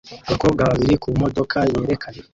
Abakobwa babiri kumodoka yerekana